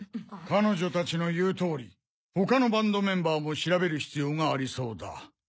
彼女たちの言う通り他のバンドメンバーも調べる必要がありそうだ。